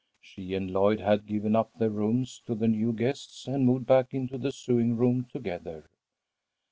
She and Lloyd had given up their rooms to the new guests, and moved back into the sewing room together.